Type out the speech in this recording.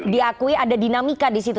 diakui ada dinamika di situ